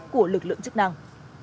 của lực lượng chức năng